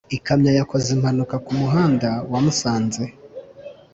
ikamyo yakoze impanuka kumuhanda wamusanze